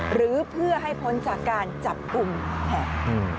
หรือเพื่อให้พ้นจากการจับกลุ่มแผน